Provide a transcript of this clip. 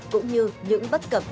cũng như những bất cập